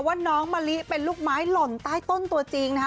ว่าน้องมะลิเป็นลูกไม้หล่นใต้ต้นตัวจริงนะคะ